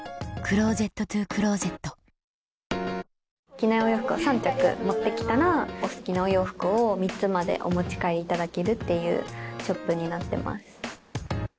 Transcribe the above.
着ないお洋服を３着持って来たらお好きなお洋服を３つまでお持ち帰りいただけるっていうショップになってます。